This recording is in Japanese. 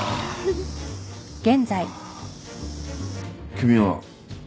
君は。